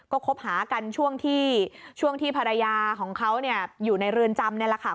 ก็คบหากันช่วงที่ภรรยาของเขาอยู่ในเรือนจำนี่แหละค่ะ